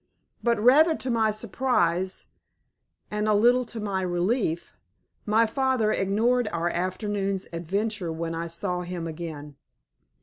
But, rather to my surprise, and a little to my relief, my father ignored our afternoon's adventure when I saw him again.